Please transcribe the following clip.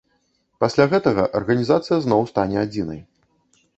Пасля гэтага арганізацыя зноў стане адзінай.